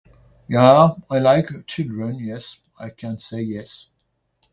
Yah, I like children, yes. I can say yes.